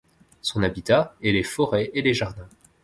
Son habitat est les forêts et les jardins.